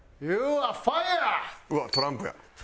うわっトランプや。